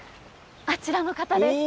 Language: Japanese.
あちらの方です。